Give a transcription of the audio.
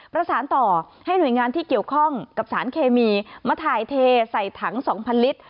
ประสานต่อให้หน่วยงานที่เกี่ยวข้องกับสารเคมีมาถ่ายเทใส่ถัง๒๐๐ลิตร